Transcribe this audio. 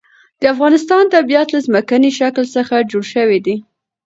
د افغانستان طبیعت له ځمکنی شکل څخه جوړ شوی دی.